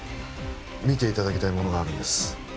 見ていただきたいものがあるんです